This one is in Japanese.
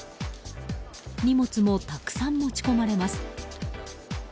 荷物もたくさん持ち込まれます。